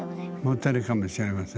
モテるかもしれませんね。